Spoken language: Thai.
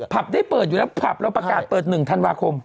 อ๋อผับได้เปิดอยู่แล้วผับแล้วประกาศเปิด๑ธันวาคม